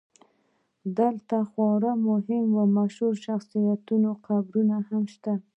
دلته د خورا مهمو مشهورو شخصیتونو قبرونه هم شته.